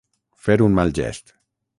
Fer un mal gest.